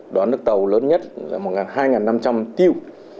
đón nước tàu lớn nhất là hai năm trăm linh tiêu